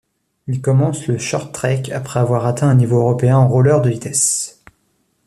Il commence le short-track après avoir atteint un niveau européen en roller de vitesse.